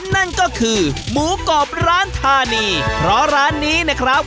นั่นก็คือหมูกรอบร้านธานีเพราะร้านนี้นะครับ